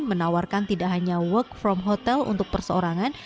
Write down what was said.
menawarkan tidak hanya work from hotel untuk perseorangan